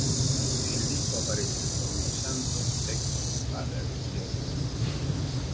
En el disco aparecen Romeo Santos, Hector El Father y otros.